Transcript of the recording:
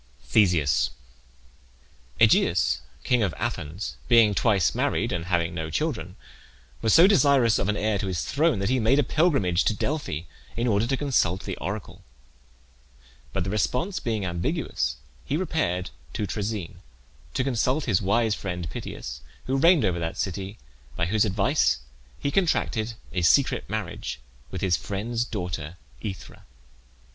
THESEUS. Aegeus, king of Athens, being twice married, and having no children, was so desirous of an heir to his throne that he made a pilgrimage to Delphi in order to consult the oracle. But the response being ambiguous, he repaired to Troezen to consult his wise friend Pittheus, who reigned over that city, by whose advice he contracted a secret marriage with his friend's daughter Aethra.